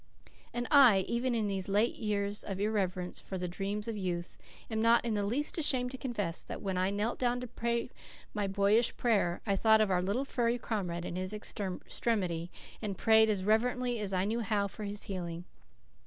And I, even in these late years of irreverence for the dreams of youth, am not in the least ashamed to confess that when I knelt down to say my boyish prayer, I thought of our little furry comrade in his extremity, and prayed as reverently as I knew how for his healing.